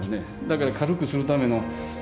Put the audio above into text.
だから軽くするための